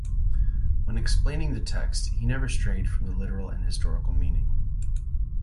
When explaining the text, he never strayed from the literal and historical meaning.